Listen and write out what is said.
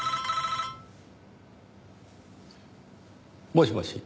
もしもし。